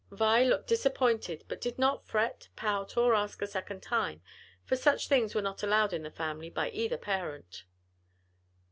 Vi looked disappointed but did not fret, pout, or ask a second time; for such things were not allowed in the family by either parent.